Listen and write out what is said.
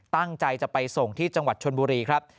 ตั้งใจจะไปส่งที่จังหวัดชนบุรีครับ